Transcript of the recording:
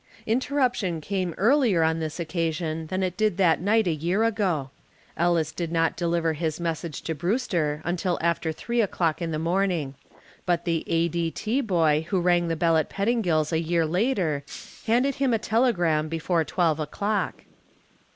Interruption came earlier on this occasion than it did that night a year ago. Ellis did not deliver his message to Brewster until three o'clock in the morning, but the A.D.T. boy who rang the bell at Pettingill's a year later handed him a telegram before twelve o'clock.